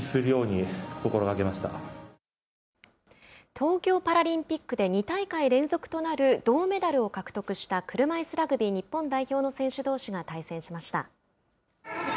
東京パラリンピックで２大会連続となる銅メダルを獲得した車いすラグビー日本代表の選手どうしが対戦しました。